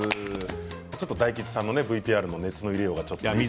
ちょっと大吉さんがＶＴＲの熱の入れようがね。